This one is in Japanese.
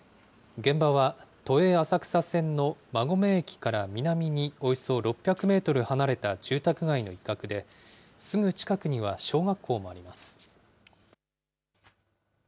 現場は都営浅草線の馬込駅から南におよそ６００メートル離れた住宅街の一角で、すぐ近くには小学校もあります。